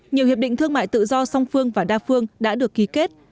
nhiều hiệp định thương mại tự do song phương và đa phương đã được ký kết